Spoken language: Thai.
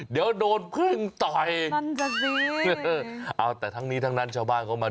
เดี๋ยวโดนพึ่งต่อย